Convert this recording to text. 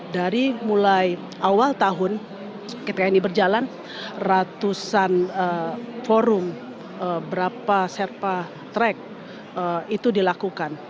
dari mulai awal tahun ketika ini berjalan ratusan forum berapa serpa track itu dilakukan